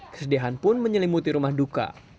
kesedihan pun menyelimuti rumah duka